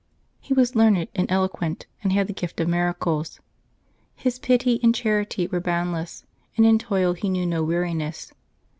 He was learned and eloquent, and had the gift of miracles. His pity and charity were boundless, and in toil he knew no weariness.